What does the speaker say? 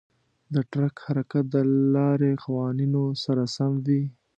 د ټرک حرکت د لارې قوانینو سره سم وي.